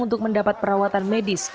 untuk mendapat perawatan medis